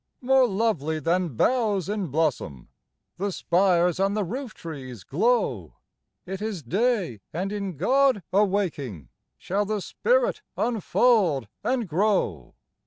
More lovely than boughs in blossom The spires and the roof trees glow. It is day ; and, in God awaking, Shall the spirit unfold and grow.